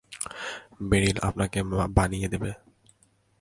Beryl আপনাকে বানিয়ে দেবে।